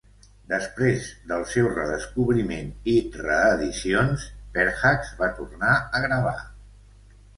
Després del seu redescobriment i reedicions, Perhacs va tornar a gravar.